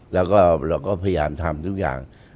แล้วก็เราก็พยายามทำทุกอย่าง